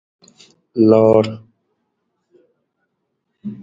Lore.